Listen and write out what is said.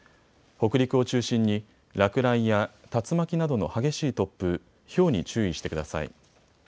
北陸を中心に落雷や竜巻などの激しい突風、ひょうに注意してください。